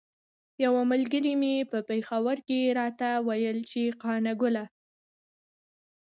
یوه ملګري مې په پیښور کې راته ویل چې قانه ګله.